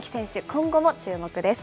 今後も注目です。